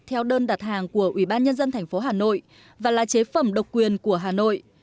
theo đơn đặt hàng của ủy ban nhân dân thành phố hà nội và là chế phẩm độc quyền của hà nội